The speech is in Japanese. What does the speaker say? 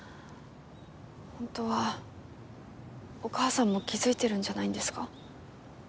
本当はお母さんも気づいてるんじゃないんですか？